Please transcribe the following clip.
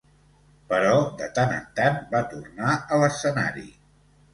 Però de tant en tant va tornar a l'escenari.